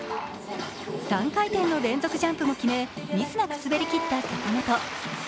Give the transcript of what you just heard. ３回転の連続ジャンプも決めミスなく滑りきった坂本。